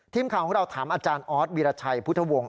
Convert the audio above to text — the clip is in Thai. ทีมข่าวของเราถามอาจารย์ออสวีรชัยพุทธวงศ์